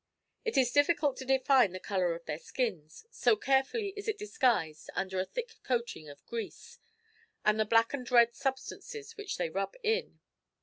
It is difficult to define the colour of their skins, so carefully is it disguised under a thick coating of grease, and the black and red substances which they rub in.